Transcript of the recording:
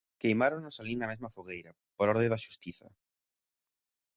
Queimáronos alí na mesma fogueira, por orde da xustiza.